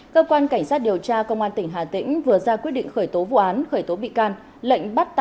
cơ quan cảnh sát điều tra công an tỉnh hà tĩnh vừa ra quyết định khởi tố vụ án khởi tố bị can lệnh bắt